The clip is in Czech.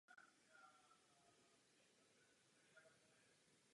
Během několika následujících dnů se podařilo evakuovat civilisty.